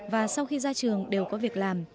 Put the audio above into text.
và sau khi ra trường đều có việc làm